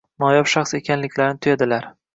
noyob shaxs ekanlarini tuyadilar.